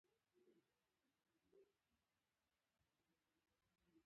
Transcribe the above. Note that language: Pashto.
دا هوا